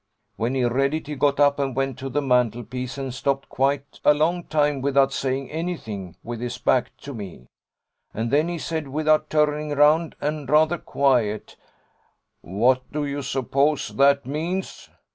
When he read it he got up and went to the mantelpiece and stopped quite a long time without saying anything, with his back to me. And then he said, without turning round, and rather quiet, 'What do you suppose that means?'